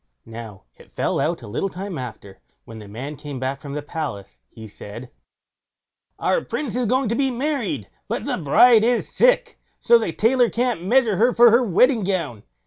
Now, it fell out a little time after, when the man came back from the palace, he said: "Our Prince is going to be married, but the bride is sick, so the tailor can't measure her for her wedding gown.